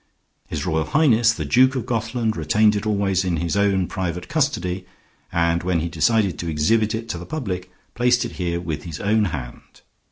His Royal Highness, the Duke of Gothland, retained it always in his own private custody, and when he decided to exhibit it to the public, placed it here with his own hand.